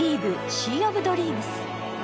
シー・オブ・ドリームス」。